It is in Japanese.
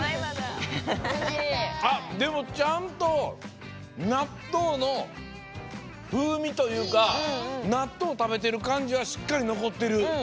あっでもちゃんとなっとうのふうみというかなっとうたべてるかんじはしっかりのこってる。